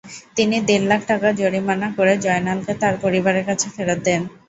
তিনি দেড় লাখ টাকা জরিমানা করে জয়নালকে তাঁর পরিবারের কাছে ফেরত দেন।